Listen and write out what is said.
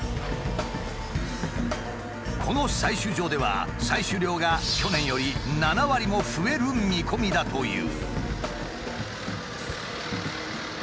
この採取場では採取量が去年より７割も増える見込みだという。